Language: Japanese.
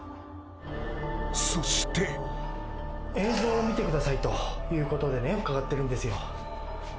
［そして］映像を見てくださいと伺ってるんですよ。